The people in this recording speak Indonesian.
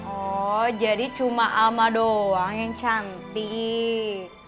oh jadi cuma alma doang yang cantik